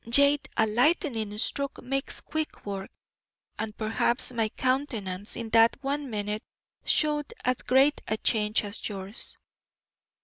Yet a lightning stroke makes quick work, and perhaps my countenance in that one minute showed as great a change as yours.